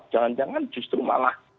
jangan jangan justru malah